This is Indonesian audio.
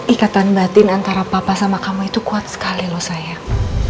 ikatan batin antara papa sama kamu itu kuat sekali loh sayang